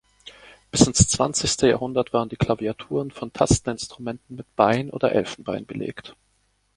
Bis ins Zwanzigste Jahrhundert waren die Klaviaturen von Tasteninstrumenten mit Bein oder Elfenbein belegt.